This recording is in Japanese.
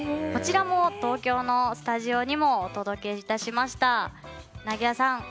こちらも東京のスタジオにお届け致しました。